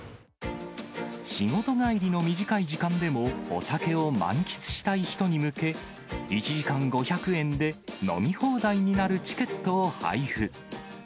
仕事帰りの短い時間でもお酒を満喫したい人に向け、１時間５００円で飲み放題になるチケットを配布。